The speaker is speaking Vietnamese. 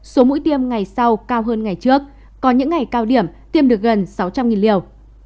số mũi tiêm ngày sau cao hơn ngày trước có những ngày cao điểm tiêm được gần sáu trăm linh liều